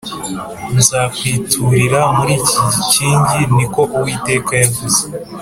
Nzakwiturira muri iki gikingi ni ko Uwiteka yavuze